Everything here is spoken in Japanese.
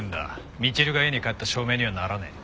みちるが家に帰った証明にはならねえ。